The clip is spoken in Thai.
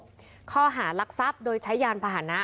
หลายศพเข้าหาลักทรัพย์โดยใช้ยานภาษณะ